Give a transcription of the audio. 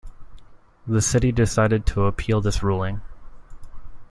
The City decided to appeal this ruling.